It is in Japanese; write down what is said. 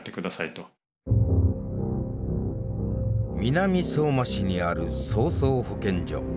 南相馬市にある相双保健所。